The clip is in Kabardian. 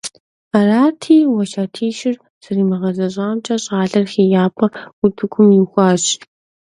Арати уэсятищыр зэримыгъэзэщӀамкӏэ щӀалэр ХеяпӀэ утыкӀум ихуащ.